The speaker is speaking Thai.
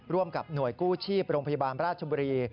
ร่วมกับหน่วยกู้ชีพโรงพยาบาลราชบุรี